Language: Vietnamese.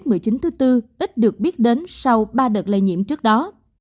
covid một mươi chín thứ bốn ít được biết đến sau ba đợt lây nhiễm trước đó